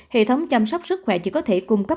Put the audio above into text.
hệ thống chăm sóc sức khỏe chỉ có thể cung cấp